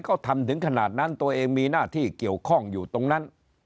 เขาทำถึงขนาดนั้นตัวเองมีหน้าที่เกี่ยวข้องอยู่ตรงนั้น